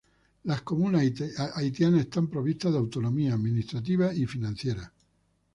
Las comunas haitianas están provistas de autonomía administrativa y financiera.